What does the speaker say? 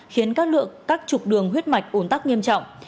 khiến các lượng các trục đường huyết mạch ổn tắc nghiêm trọng